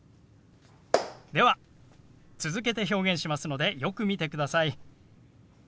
では続けて表現しますのでよく見てください。